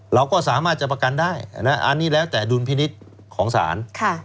เราก็สามารถจะประกันได้อันนี้แล้วแต่ดุลพินิษฐ์ของศาล